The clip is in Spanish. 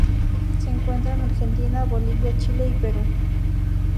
Se encuentra en Argentina, Bolivia, Chile, y Perú.